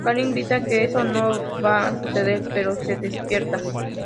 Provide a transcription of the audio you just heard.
Karin grita que eso no va a suceder, pero se despierta.